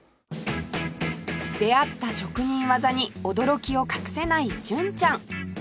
出会った職人技に驚きを隠せない純ちゃん